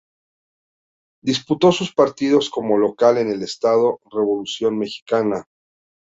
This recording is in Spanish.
Disputó sus partidos como local en el Estadio Revolución Mexicana.